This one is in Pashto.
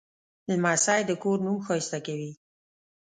لمسی د کور نوم ښایسته کوي.